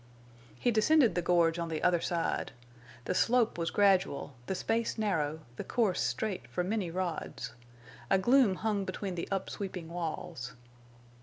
He descended the gorge on the other side. The slope was gradual, the space narrow, the course straight for many rods. A gloom hung between the up sweeping walls.